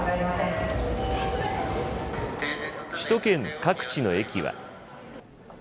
首都圏各地の駅は。